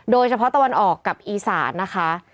โดยเฉพาะตะวันออกกับอีสานนะคะ